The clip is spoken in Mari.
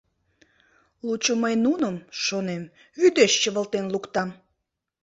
Лучо мый нуным, шонем, вӱдеш чывылтен луктам.